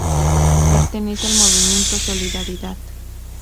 Pertenece al movimiento Solidaridad.